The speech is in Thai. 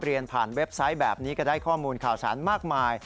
เรียนผ่านเว็บไซต์แบบนี้ก็ได้ข้อมูลข่าวสารมากมาย